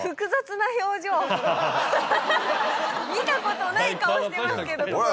見たことない顔してますけど所さん。